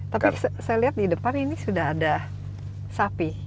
tapi saya lihat di depan ini sudah ada sapi